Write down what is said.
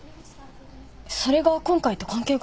それが今回と関係が？